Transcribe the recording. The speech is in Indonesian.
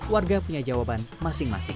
warga punya jawaban masing masing